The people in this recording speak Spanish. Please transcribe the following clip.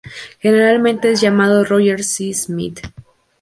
Generalmente es llamado Roger C. Smith.